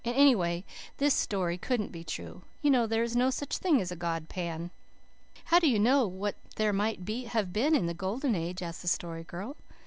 "And anyway, this story couldn't be true. You know there was no such thing as a god Pan." "How do you know what there might have been in the Golden Age?" asked the Story Girl.